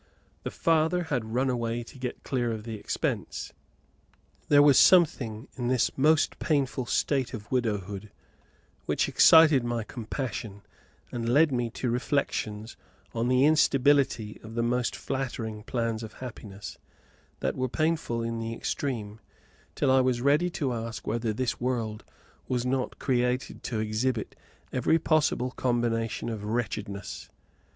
The father had run away to get clear of the expense. There was something in this most painful state of widowhood which excited my compassion and led me to reflections on the instability of the most flattering plans of happiness, that were painful in the extreme, till I was ready to ask whether this world was not created to exhibit every possible combination of wretchedness.